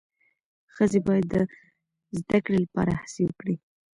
ښځې باید د زدهکړې لپاره هڅه وکړي.